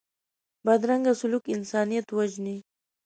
بدرنګه سلوک انسانیت وژني